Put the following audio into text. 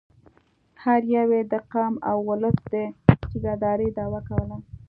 هر یوه یې د قام او اولس د ټیکه دارۍ دعوه کوله.